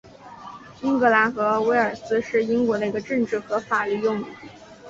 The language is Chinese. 英格兰和威尔斯是英国的一个政治和法律用语。